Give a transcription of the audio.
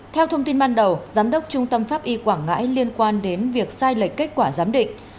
theo thông tin ban đầu giám đốc trung tâm pháp y quảng ngãi liên quan đến việc sai lệch kết quả giám định